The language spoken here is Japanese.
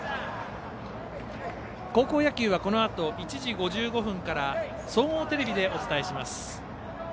高校野球はこのあと１時５５分から総合テレビでお伝えします。